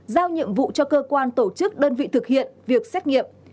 giao nhiệm vụ cho cơ quan tổ chức đơn vị thực hiện việc xét nghiệm